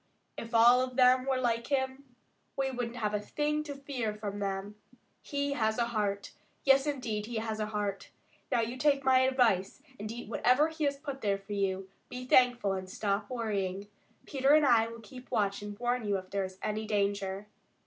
If all of them were like him, we wouldn't have a thing to fear from them. He has a heart. Yes, indeed, he has a heart. Now you take my advice and eat whatever he has put there for you, be thankful, and stop worrying. Peter and I will keep watch and warn you if there is any danger."